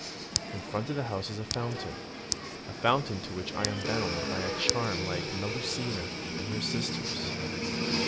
In front of the house is a fountain, a fountain to which I am bound by a charm like Melusina and her sisters.